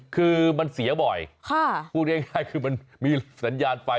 คือมันเสียบ่อยพูดง่ายคือมันมีสัญญาณไฟ